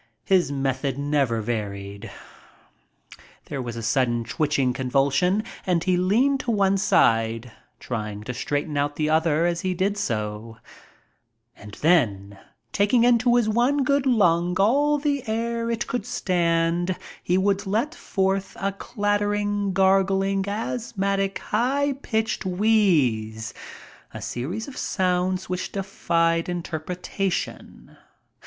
His method never varied. There was a sudden twitching convulsion, and he leaned to one side, trying to straighten out the other as he did so, and then, taking into his one good lung all the air it would stand, he would let forth a clattering, gargling, asthmatic, high pitched wheeze, a series of sounds which defied interpreta tion.